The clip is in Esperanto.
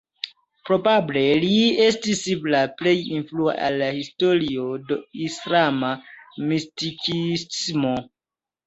Probable li estis la plej influa en la historio de islama mistikismo.